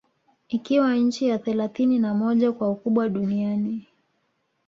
Ikiwa nchi ya thelathini na moja kwa ukubwa Duniani